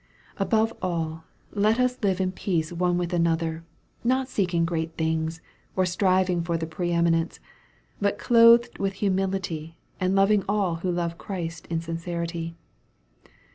Above all let us live in peace one with another, not seeking great things, or striving for the pre eminence, but clothed with humility, and loving all who love Christ in sincerity.